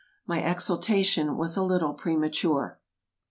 My exultation was a little premature.